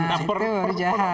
nah itu jahatnya